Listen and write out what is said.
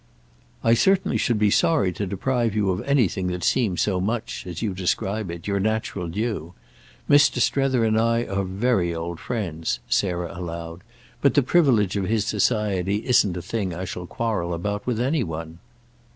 "I certainly should be sorry to deprive you of anything that seems so much, as you describe it, your natural due. Mr. Strether and I are very old friends," Sarah allowed, "but the privilege of his society isn't a thing I shall quarrel about with any one."